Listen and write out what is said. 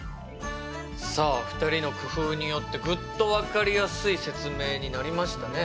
さあ２人の工夫によってぐっと分かりやすい説明になりましたね。